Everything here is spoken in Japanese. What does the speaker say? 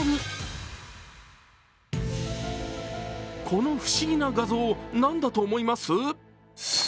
この不思議な画像何だと思います？